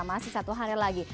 masih satu hari lagi